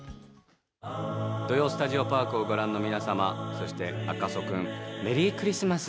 「土曜スタジオパーク」をご覧の皆様、そして赤楚君メリークリスマス！